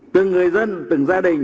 từng người dân từng gia đình